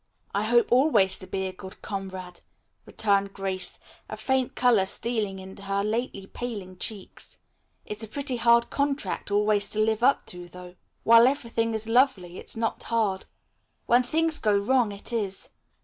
"I hope always to be a good comrade," returned Grace, a faint color stealing into her lately paling cheeks. "It's a pretty hard contract always to live up to, though. While everything is lovely, it's not hard. When things go wrong, it is.